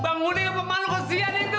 bangun ke pemalu kosian itu